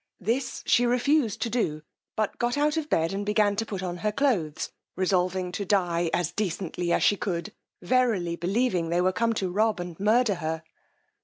This she refused to do, but got out of bed and began to put on her cloaths, resolving to dye as decently as she could, verily believing they were come to rob and murder her.